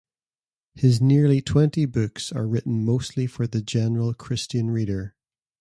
His nearly twenty books are written mostly for the general Christian reader.